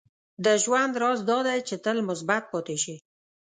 • د ژوند راز دا دی چې تل مثبت پاتې شې.